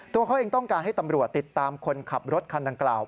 ตัวเขาเองต้องการให้ตำรวจติดตามคนขับรถคันดังกล่าว